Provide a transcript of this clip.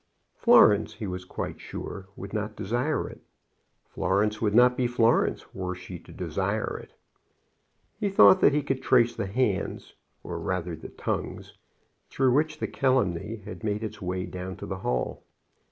Florence, he was quite sure, would not desire it. Florence would not be Florence were she to desire it. He thought that he could trace the hands, or rather the tongues, through which the calumny had made its way down to the Hall.